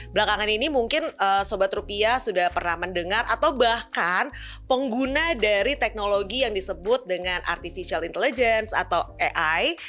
belakangan ini mungkin sobat rupiah sudah pernah mendengar atau bahkan pengguna dari teknologi yang disebut dengan artificial intelligence atau ai